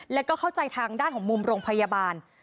แล้วก็เข้าใจทางด้านของมุมโรงพยาบาล